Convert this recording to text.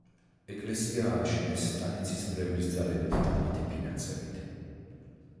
ეკლესია ააშენეს სტანიცის მრევლის ძალებით და მათი ფინანსებით.